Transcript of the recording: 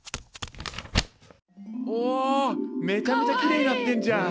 おめちゃめちゃキレイになってんじゃん。